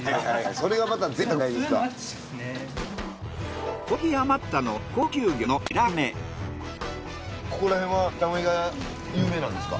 それがまた贅沢じゃないですか。